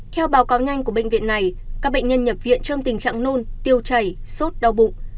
theo báo cáo nhanh của bệnh viện này các bệnh nhân nhập viện trong tình trạng nôn tiêu chảy sốt đau bụng